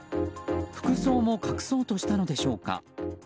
服装も隠そうとしたのでしょうか。